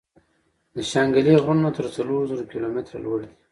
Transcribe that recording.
د شانګلې غرونه تر څلور زرو کلو ميتره لوړ دي ـ